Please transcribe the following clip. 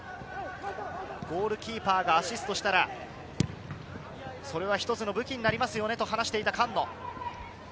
ゴールキーパーがアシストしたら、一つの武器になりますよねと話していた菅野。